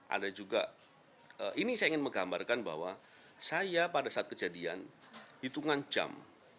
ada juga ini saya ingin menggambarkan bahwa saya pada saat kejadian hitungan jam